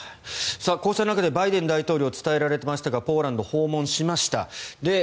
こうした中でバイデン大統領伝えられていましたがポーランドを訪問しました。